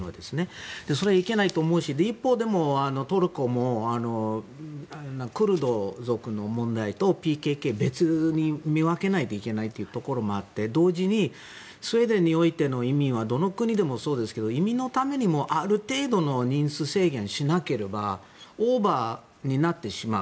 それはいけないと思うし一方でもトルコもクルド族の問題とＰＫＫは別で見分けないといけないというところもあって同時にスウェーデンにおいての移民はどの国でもそうですけど移民のためにもある程度の人数制限をしなければオーバーになってしまう。